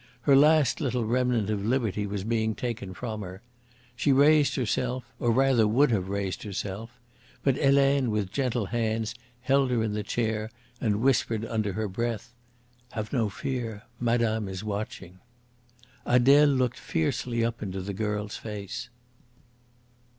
Her last little remnant of liberty was being taken from her. She raised herself, or rather would have raised herself. But Helene with gentle hands held her in the chair, and whispered under her breath: "Have no fear! Madame is watching." Adele looked fiercely up into the girl's face.